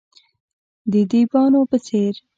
د دیبانو په څیر،